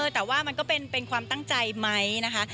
แต่ว่ามันก็เป็นความตั้งใจไหมนะคะ